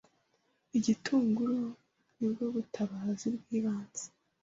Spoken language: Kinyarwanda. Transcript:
Igitunguru ni bwo butabazi bw’ibanze